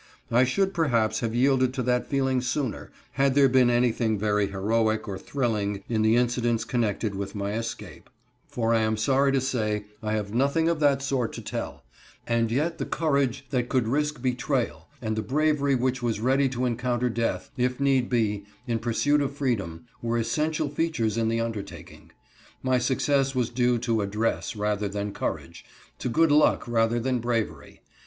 I should, perhaps, have yielded to that feeling sooner, had there been anything very heroic or thrilling in the incidents connected with my escape, for I am sorry to say I have nothing of that sort to tell; and yet the courage that could risk betrayal and the bravery which was ready to encounter death, if need be, in pursuit of freedom, were essential features in the undertaking. My success was due to address rather than courage, to good luck rather than bravery.